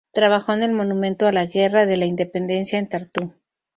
Trabajó en el monumento a la Guerra de la Independencia en Tartu.